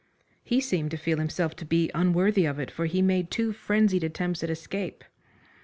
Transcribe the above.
He seemed to feel himself to be unworthy of it, for he made two frenzied attempts at escape.